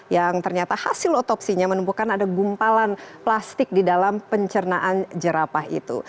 yang ternyata hasil otopsinya menemukan ada gumpalan plastik di dalam pencernaan jerapah itu